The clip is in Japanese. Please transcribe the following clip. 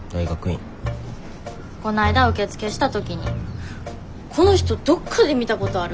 こないだ受付した時に「この人どっかで見たことある。